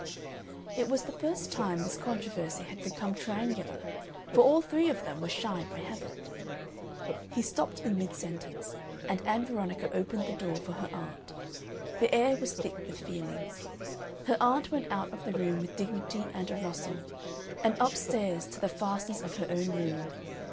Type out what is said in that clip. It was the first time this controversy had become triangular, for all three of them were shy by habit. He stopped in mid sentence, and Ann Veronica opened the door for her aunt. The air was thick with feelings. Her aunt went out of the room with dignity and a rustle, and up stairs to the fastness of her own room.